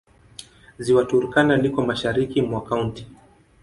Ziwa Turkana liko mashariki mwa kaunti.